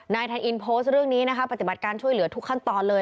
ทันอินโพสต์เรื่องนี้นะคะปฏิบัติการช่วยเหลือทุกขั้นตอนเลย